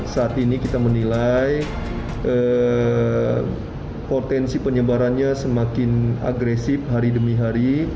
saat ini kita menilai potensi penyebarannya semakin agresif hari demi hari